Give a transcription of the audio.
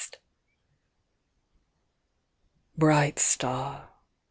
BRIGHT star!